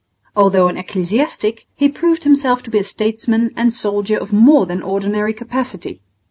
Although an ecclesiastic, he proved himself to be a statesman and soldier of more than ordinary capacity.